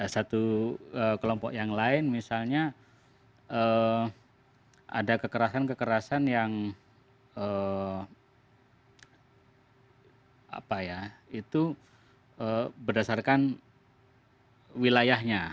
satu kelompok yang lain misalnya ada kekerasan kekerasan yang apa ya itu berdasarkan wilayahnya